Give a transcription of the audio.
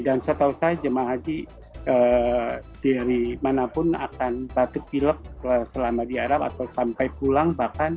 dan saya tahu saja jemaah haji dari manapun akan batuk pilek selama di arab atau sampai pulang